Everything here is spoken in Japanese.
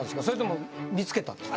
それとも見つけた？